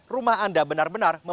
rumah basah terdekat